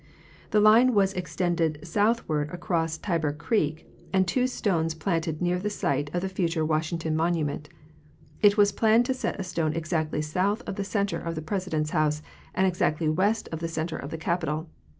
The line was extended southward across Tiber creek and two stones planted near the site of the future Washington monu ment. It was planned to set a stone exactly south of the center of the President's house and exactly west of the center of the Capitol.